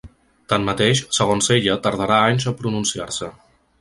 Tanmateix, segons ella tardarà anys a pronunciar-se.